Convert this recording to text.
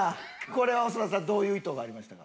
これは長田さんどういう意図がありましたか？